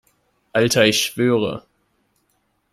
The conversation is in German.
Alter, ich schwöre!